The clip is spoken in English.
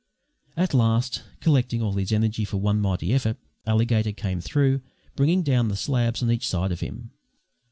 At last, collecting all his energy for one mighty effort, Alligator came through, bringing down the slabs on each side of him.